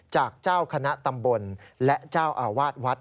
จากเจ้าคณะตำบลและเจ้าอาวาสวัด